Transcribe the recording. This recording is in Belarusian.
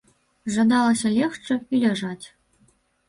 Жадалася легчы і ляжаць.